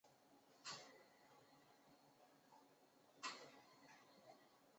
十分意外却没人回应